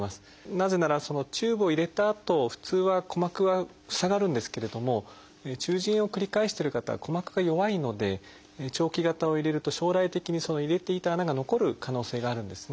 なぜならチューブを入れたあと普通は鼓膜は塞がるんですけれども中耳炎を繰り返してる方は鼓膜が弱いので長期型を入れると将来的にその入れていた穴が残る可能性があるんですね。